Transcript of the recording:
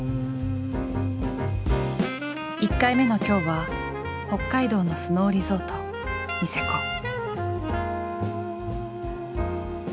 １回目の今日は北海道のスノーリゾートニセコ。